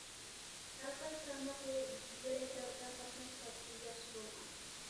ھەر قايسى تارماق يول بۆلەكلىرىدە قاتناش تەرتىپى ياخشى بولغان.